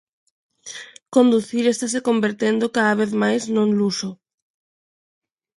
Conducir estase convertendo, cada vez máis, nun luxo.